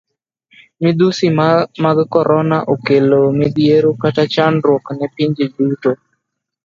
Midhusi mag korona okelo midhiero kata chandruok ne pinje duto.